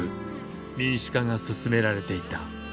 民主化が進められていた。